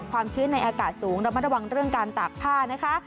ชื้นในอากาศสูงระมัดระวังเรื่องการตากผ้านะคะ